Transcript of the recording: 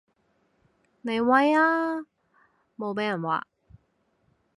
你威啊無被人話